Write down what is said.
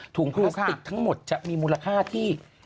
ถุงพลาสติกทั้งหมดจะมีมูลค่าที่